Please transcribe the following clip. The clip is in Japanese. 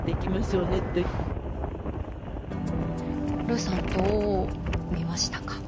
ルーさん、どう見ましたか。